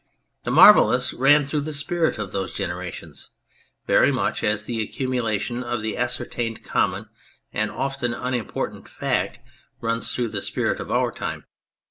The marvellous ran through the spirit of those generations very much as the accumulation of the ascertained, common and often unimportant, fact runs through the spirit of our time.